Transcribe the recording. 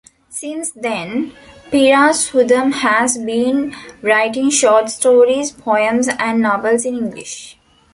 Since then, Pira Sudham has been writing short stories, poems, and novels in English.